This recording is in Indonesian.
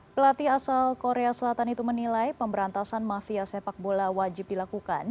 pelatih asal korea selatan itu menilai pemberantasan mafia sepak bola wajib dilakukan